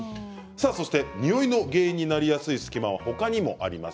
においの原因になりやすい隙間は他にもあります。